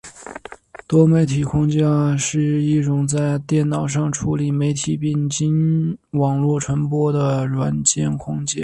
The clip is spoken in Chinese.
多媒体框架是一种在电脑上处理媒体并经网络传播的软件框架。